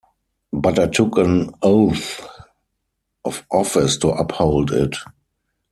But I took an oath of office to uphold it.